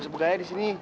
buka aja di sini